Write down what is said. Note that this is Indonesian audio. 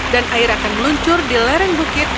dan air akan meluncur di lereng bukit